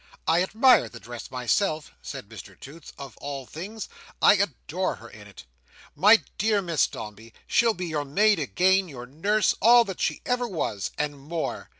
I admire the dress myself," said Mr Toots, "of all things. I adore her in it! My dear Miss Dombey, she'll be your maid again, your nurse, all that she ever was, and more.